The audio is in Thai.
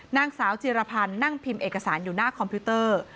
นางสาวจิรพันธ์นั่งพิมพ์เอกสารอยู่หน้าคอมพิวเตอร์